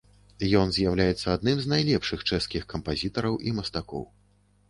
Ён з'яўляецца адным з найлепшых чэшскіх кампазітараў і мастакоў.